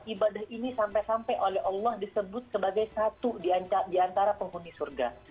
ibadah ini sampai sampai oleh allah disebut sebagai satu di antara penghuni surga